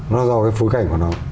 nó do cái phối cảnh của nó